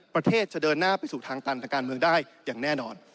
ประเทศจะเดินหน้าไปสู่ทางตันทางการเมืองได้อย่างแน่นอน